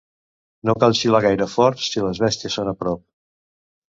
No cal xiular gaire fort, si les bèsties són a prop.